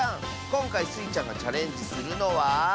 こんかいスイちゃんがチャレンジするのは？